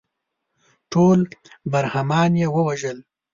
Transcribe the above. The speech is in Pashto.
ټول برهمنان یې ووژل.